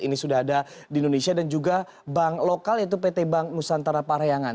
ini sudah ada di indonesia dan juga bank lokal yaitu pt bank nusantara parayangan